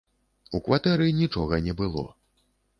У кватэры нічога не было.